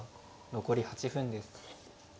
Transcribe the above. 残り８分です。